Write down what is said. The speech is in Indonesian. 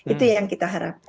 itu yang kita harapkan